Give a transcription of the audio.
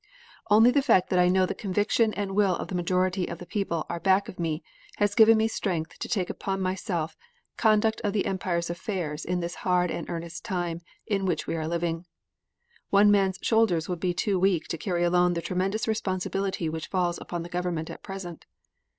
Only the fact that I know the conviction and will of the majority of the people are back of me, has given me strength to take upon myself conduct of the Empire's affairs in this hard and earnest time in which we are living. One man's shoulders would be too weak to carry alone the tremendous responsibility which falls upon the government at present.